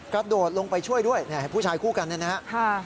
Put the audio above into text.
กระโดดลงไปช่วยด้วยผู้ชายคู่กันเนี่ยนะครับ